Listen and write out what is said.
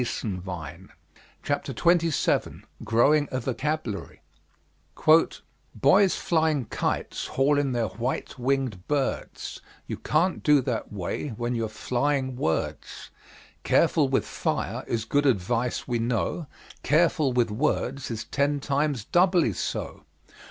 Chambers.] CHAPTER XXVII GROWING A VOCABULARY Boys flying kites haul in their white winged birds; You can't do that way when you're flying words. "Careful with fire," is good advice we know, "Careful with words," is ten times doubly so.